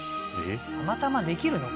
「たまたまできるの？」